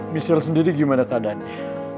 misal sendiri gimana keadaannya